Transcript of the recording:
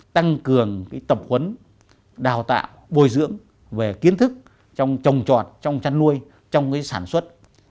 tăng cường tập huấn đào tạo bồi dưỡng về kiến thức trong trồng trọt trong chăn nuôi trong sản xuất